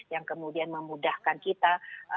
yang kemudian memudahkan kita